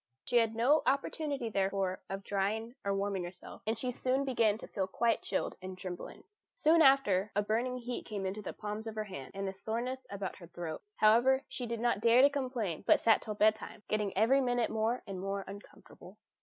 She had no opportunity, therefore, of drying or warming herself, and she soon began to feel quite chilled and trembling. Soon after a burning heat came into the palms of her hands, and a soreness about her throat; however, she did not dare to complain, but sat till bedtime, getting every minute more and more uncomfortable.